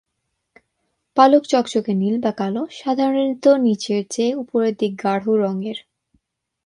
পালক চকচকে নীল বা কালো, সাধারণত নিচের চেয়ে উপরের দিক গাঢ় রঙের।